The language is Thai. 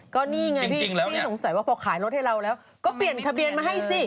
ก็นี่ไงพี่สงสัยว่าพอขายรถให้เราแล้วก็เปลี่ยนทะเบียนมาให้สิ